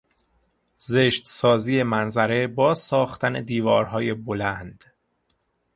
زشتسازی منظره با ساختن دیوارهای بلند